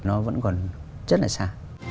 nó vẫn còn rất là xa